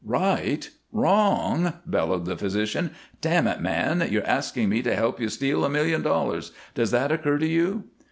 "Right! Wrong!" bellowed the physician. "Damn it, man! You're asking me to help you steal a million dollars. Does that occur to you?"